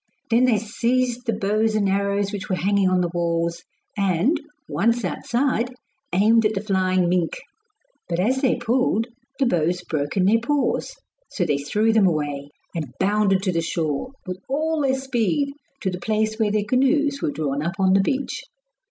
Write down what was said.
Then they seized the bows and arrows which were hanging on the walls and, once outside, aimed at the flying mink; but as they pulled the bows broke in their paws, so they threw them away, and bounded to the shore, with all their speed, to the place where their canoes were drawn up on the beach.